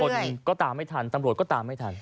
คนก็ตามไม่ทันตำรวจก็ตามไม่ทัน